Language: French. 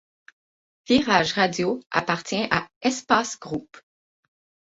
Virage Radio appartient à Espace Group.